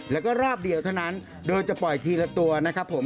แล้วก็รอบเดียวเท่านั้นโดยจะปล่อยทีละตัวนะครับผม